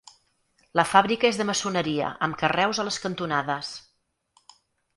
La fàbrica és de maçoneria amb carreus a les cantonades.